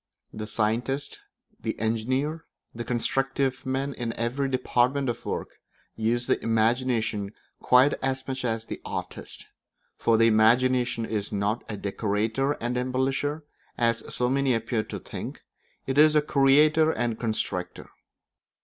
The scientist, the engineer, the constructive man in every department of work, use the imagination quite as much as the artist; for the imagination is not a decorator and embellisher, as so many appear to think; it is a creator and constructor.